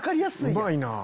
うまいな。